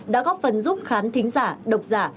đã góp phần giúp khán thính giả độc giả